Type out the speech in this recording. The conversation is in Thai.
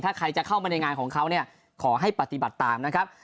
ถ้าใครจะเข้ามาในงานของเขาเนี่ยขอให้ปฏิบัติตามนะครับ